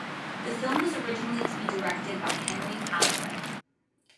The film was originally to be directed by Henry Hathaway.